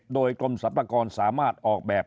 โดยกลมสัมภาคอนสามารถออกแบบ